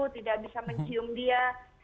tidak bisa mencium dia